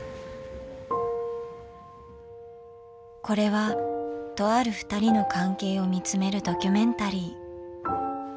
これはとあるふたりの関係を見つめるドキュメンタリー。